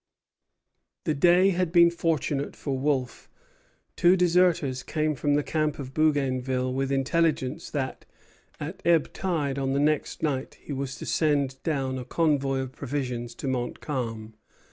The day had been fortunate for Wolfe. Two deserters came from the camp of Bougainville with intelligence that, at ebb tide on the next night, he was to send down a convoy of provisions to Montcalm.